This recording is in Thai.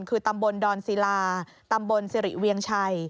คือตำบลดอนศิลาตำบลสิริเวียงชัย